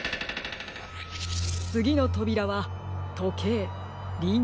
つぎのとびらはとけいりんご